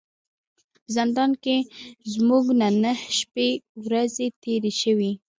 په زندان کې زموږ نه نهه شپې ورځې تیرې شوې.